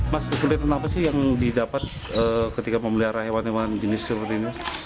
mas kesulitan apa sih yang didapat ketika memelihara hewan hewan jenis seperti ini